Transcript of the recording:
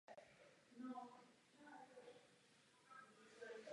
Je členem dozorčí rady Českých drah.